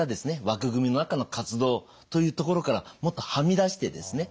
枠組みの中の活動というところからもっとはみ出してですね